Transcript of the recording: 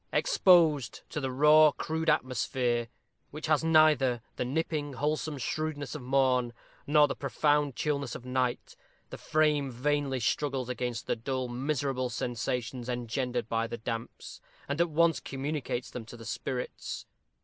Exposed to the raw, crude atmosphere, which has neither the nipping, wholesome shrewdness of morn, nor the profound chillness of night, the frame vainly struggles against the dull, miserable sensations engendered by the damps, and at once communicates them to the spirits.